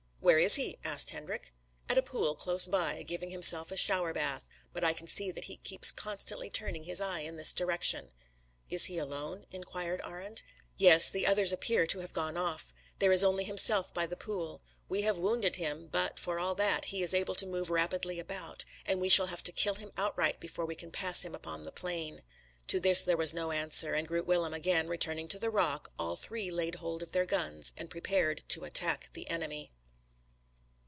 "Where is he?" asked Hendrik. "At the pool close by, giving himself a shower bath; but I can see that he keeps constantly turning his eye in this direction." "Is he alone?" inquired Arend. "Yes; the others appear to have gone off. There is only himself by the pool. We have wounded him; but, for all that, he is able to move rapidly about; and we shall have to kill him outright before we can pass him upon the plain." To this there was no answer, and, Groot Willem again returning to the rock, all three laid hold of their guns, and prepared to attack the enemy.